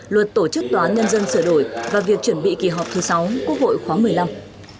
luật tổ chức tòa án nhân dân sửa đổi và việc chuẩn bị kỳ họp thứ sáu quốc hội khoáng một mươi năm